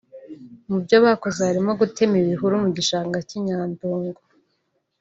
Mu byo bakoze harimo gutema ibihuru mu gishanga cy’i Nyandungu